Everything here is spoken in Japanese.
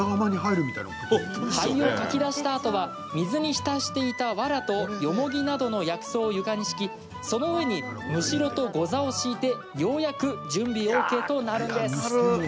灰をかき出したあとは水に浸していた、わらとよもぎなどの薬草を床に敷きその上に、むしろとござを敷いてようやく準備ＯＫとなるんです。